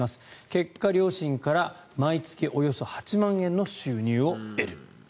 結果、両親から毎月およそ８万円の収入を得る。